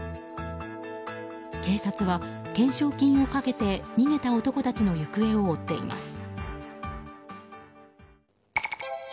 警察は懸賞金をかけて逃げた男たちの行方を追っています。